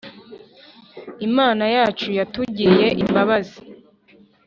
Imana yacu yatugiriye Imbabazi